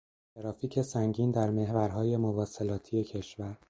ترافیک سنگین در محورهای مواصلاتی کشور